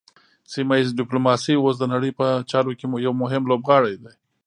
سیمه ایز ډیپلوماسي اوس د نړۍ په چارو کې یو مهم لوبغاړی دی